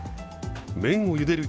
麺をゆでる